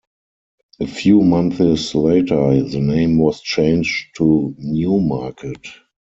A few months later, the name was changed to New Market.